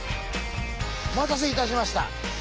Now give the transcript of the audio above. お待たせいたしました。